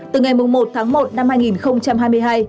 từ ngày một tháng một năm hai nghìn hai mươi hai